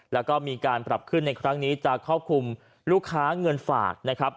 แล้วก็มีการปรับขึ้นในครั้งนี้จะครอบคลุมลูกค้าเงินฝากนะครับ